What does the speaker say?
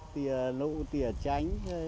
tỉa lụ tỉa tránh